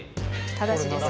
ただしですよ